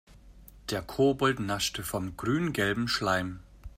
Der Kobold naschte vom grüngelben Schleim.